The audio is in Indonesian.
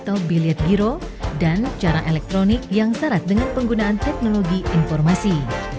digital dan cara elektronik yang syarat dengan penggunaan teknologi informasi